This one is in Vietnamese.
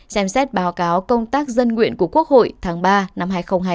xem xét báo cáo công tác dân nguyện của quốc hội tháng ba năm hai nghìn hai mươi